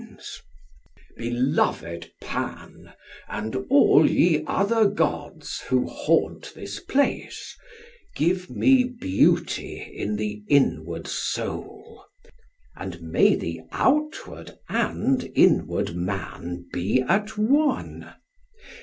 SOCRATES: Beloved Pan, and all ye other gods who haunt this place, give me beauty in the inward soul; and may the outward and inward man be at one.